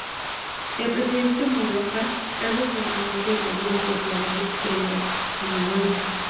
El presidente Mubarak cesó formalmente al gobierno y declaró que crearía uno nuevo.